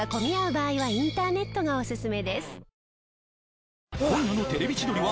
場合はインターネットがおすすめです。